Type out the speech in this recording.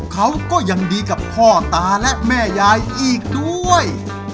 เขาก็ยังดีกับพ่อตาและแม่ยายอีกด้วย